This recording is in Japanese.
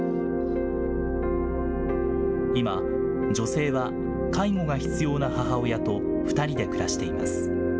今、女性は介護が必要な母親と２人で暮らしています。